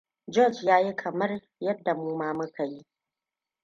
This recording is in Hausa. Goerge ya yi kamar yadda mu ma muka yi.